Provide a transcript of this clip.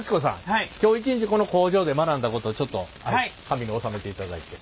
はい。今日一日この工場で学んだことをちょっと紙に収めていただいて。